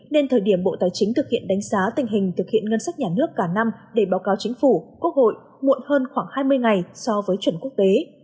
nên thời điểm bộ tài chính thực hiện đánh giá tình hình thực hiện ngân sách nhà nước cả năm để báo cáo chính phủ quốc hội muộn hơn khoảng hai mươi ngày so với chuẩn quốc tế